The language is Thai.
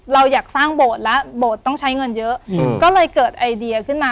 เราอยากสร้างโบสถ์แล้วโบสถ์ต้องใช้เงินเยอะก็เลยเกิดไอเดียขึ้นมา